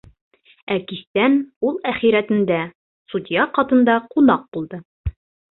Ә кистән ул әхирәтендә, судья ҡатында, ҡунаҡ булды.